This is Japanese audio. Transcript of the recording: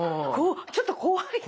ちょっと怖い。